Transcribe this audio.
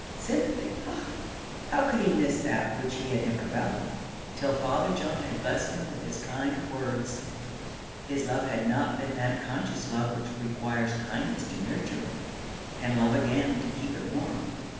Sympathy! Ah! how could he miss that which he had never felt, till Father John had blessed him with his kind words! His love had not been that conscious love which requires kindness to nurture it, and love again to keep it warm.